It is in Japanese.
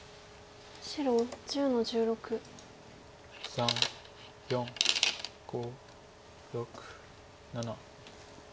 ３４５６７。